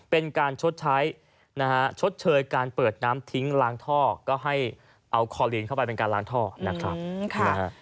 เป็นการชดใช้นะฮะชดเชยการเปิดน้ำทิ้งล้างท่อก็ให้เอาคอลีนเข้าไปเป็นการล้างท่อนะครับนะฮะ